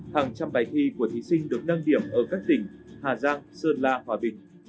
hàng trăm bài thi của thí sinh được nâng điểm ở các tỉnh hà giang sơn la hòa bình